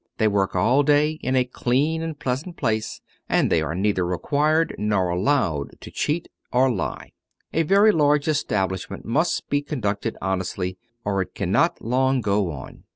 They work all day in a clean and pleasant place, and they are neither required or allowed to lie or cheat. A very large establishment must be conducted honestly, or it cannot long go on.